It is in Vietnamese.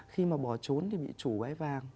khi mà bỏ trốn thì bị chủ bãi vàng